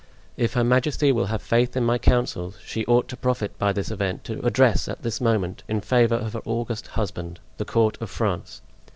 If her majesty will have faith in my counsels she ought to profit by this event to address at this moment, in favor of her august husband, the court of France.